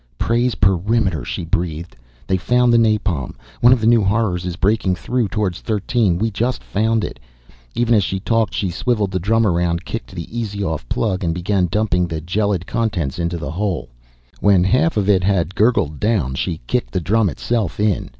"Praise Perimeter!" she breathed. "They found the napalm. One of the new horrors is breaking through towards Thirteen, we just found it." Even as she talked she swiveled the drum around, kicked the easy off plug, and began dumping the gelid contents into the hole. When half of it had gurgled down, she kicked the drum itself in.